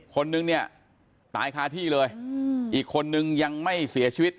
คนนึงเนี่ยตายคาที่เลยอีกคนนึงยังไม่เสียชีวิต